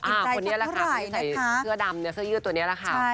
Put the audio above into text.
ติดใจของเท่าไหร่นะคะพี่ใส่เสื้อดำนร่างเสื้อยืดตัวนี้แล้วค่ะ